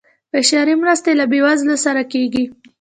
بشري مرستې له بیوزلو سره کیږي